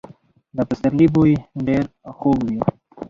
د پسرلي بوی ډېر خوږ وي.